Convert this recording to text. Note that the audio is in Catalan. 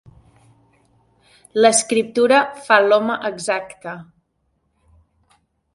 L'escriptura fa l'home exacte